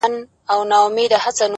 په خــــنــدا كيــسـه شـــــروع كړه،